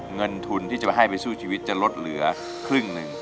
เงินทุนที่จะมาให้ไปสู้ชีวิตจะลดเหลือครึ่งหนึ่ง